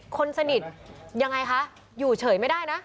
คนสนิทยังไงคะอยู่เฉยไม่ได้นะ